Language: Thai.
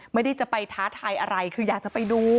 ไม่ได้จะไปท้าทายอะไรคืออยากจะไปดู